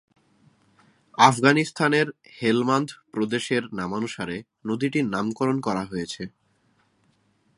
আফগানিস্তানের হেলমান্দ প্রদেশের নামানুসারে নদীটির নামকরণ করা হয়েছে।